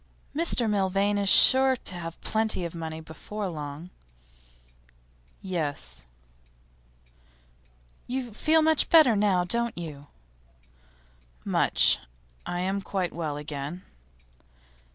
'Mr Milvain is sure to have plenty of money before long.' 'Yes.' 'You feel much better now, don't you?' 'Much. I am quite well again.